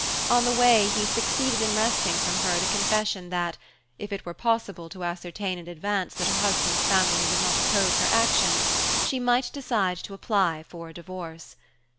On the way, he succeeded in wresting from her the confession that, if it were possible to ascertain in advance that her husband's family would not oppose her action, she might decide to apply for a divorce.